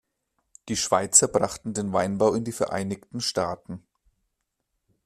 Die Schweizer brachten den Weinbau in die Vereinigten Staaten.